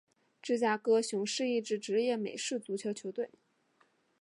芝加哥熊是一支职业美式足球球队。